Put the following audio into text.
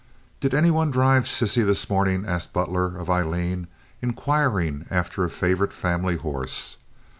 "Did any one drive Sissy this mornin'?" asked Butler of Aileen, inquiring after a favorite family horse.